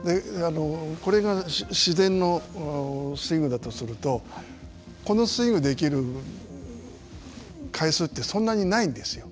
これが自然のスイングだとするとこのスイングできる回数ってそんなにないんですよ。